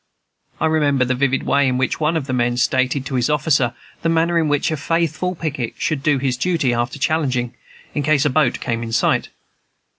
I remember the vivid way in which one of the men stated to his officer the manner in which a faithful picket should do his duty, after challenging, in case a boat came in sight.